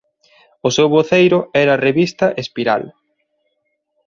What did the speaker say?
O seu voceiro era a revista "Espiral".